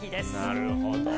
なるほど。